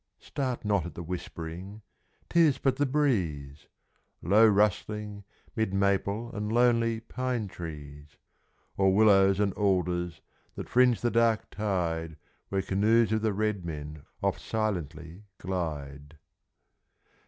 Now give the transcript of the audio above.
Start not at the whispering, 'tis but the breeze, Low rustling, 'mid maple and lonely pine trees, Or willows and alders that fringe the dark tide Where canoes of the red men oft silently glide.